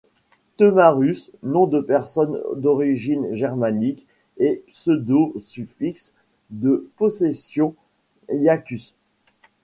Teutmarus, nom de personne d’origine germanique, et pseudo-suffixe de possession iacus.